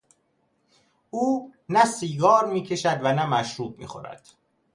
او نه سیگار میکشد و نه مشروب میخورد.